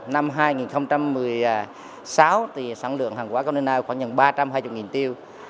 năm hai nghìn một mươi sáu sản lượng hàng quá container khoảng ba trăm hai mươi tiêu